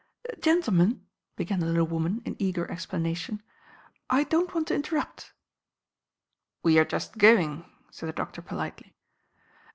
"Gentlemen," began the little woman in eager explanation, "I don't want to interrupt." "We are just going," said the doctor politely.